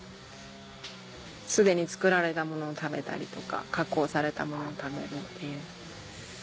既に作られたものを食べたりとか加工されたものを食べるっていう。